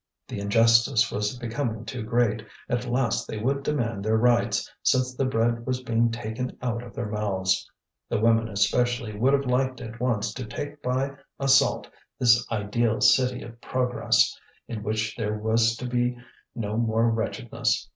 The injustice was becoming too great; at last they would demand their rights, since the bread was being taken out of their mouths. The women especially would have liked at once to take by assault this ideal city of progress, in which there was to be no more wretchedness.